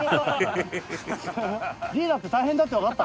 リーダーって大変だってわかった。